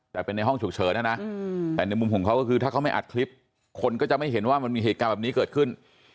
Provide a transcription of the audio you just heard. แต่เป็นในห้องฉุกเฉินนะนะแต่ในมุมของเขาก็คือถ้าเขาไม่อัดคลิปคนก็จะไม่เห็นว่ามันมีเหตุการณ์แบบนี้เกิดขึ้น